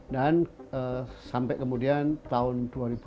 dan sampai kemudian tahun dua ribu tujuh belas dua ribu delapan belas